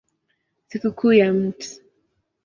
Sikukuu ya Mt.